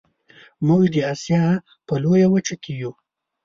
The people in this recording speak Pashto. موږ د اسیا په لویه وچه کې یو